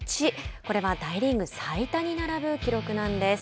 これは大リーグ最多に並ぶ記録なんです。